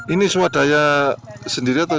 ini swadaya sendiri atau